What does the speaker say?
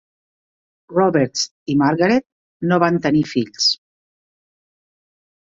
Roberts i Margaret no van tenir fills.